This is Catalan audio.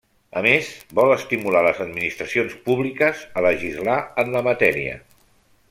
A més, vol estimular les administracions públiques a legislar en la matèria.